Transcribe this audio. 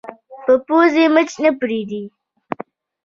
پر پوزې مچ نه پرېږدي